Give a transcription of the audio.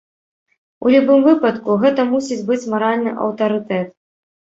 У любым выпадку гэта мусіць быць маральны аўтарытэт.